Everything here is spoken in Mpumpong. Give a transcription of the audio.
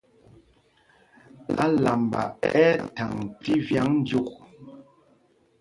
Álamba ɛ́ ɛ́ thaŋ tí vyǎŋ dyûk.